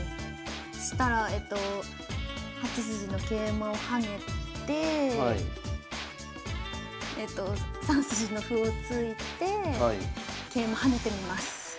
そしたら８筋の桂馬を跳ねて３筋の歩を突いて桂馬跳ねてみます。